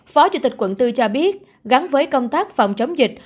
phó chủ tịch quận bốn cho biết gắn với công tác phòng chống dịch